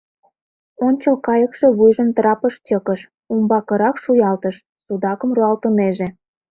Ончыл кайыкше вуйжым трапыш чыкыш, умбакырак шуялтыш — судакым руалтынеже.